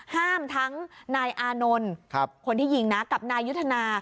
ทั้งนายอานนท์คนที่ยิงนะกับนายยุทธนา